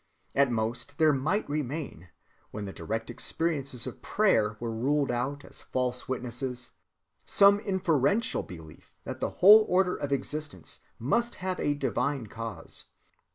At most there might remain, when the direct experiences of prayer were ruled out as false witnesses, some inferential belief that the whole order of existence must have a divine cause.